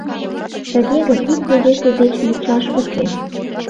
Тыге гын, икте-весе деч лӱдшаш уке.